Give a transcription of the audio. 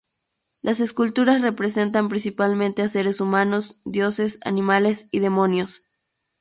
Las esculturas representan principalmente a seres humanos, dioses, animales y demonios.